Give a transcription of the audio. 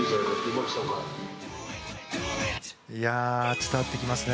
伝わってきますね。